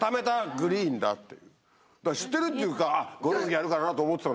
知ってるって言うからゴルフやるからなと思ってたのよ。